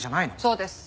そうです。